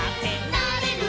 「なれる」